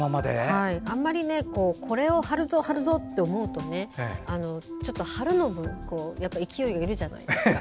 あんまりこれを貼るぞ貼るぞって思うと貼るのも勢いがいるじゃないですか。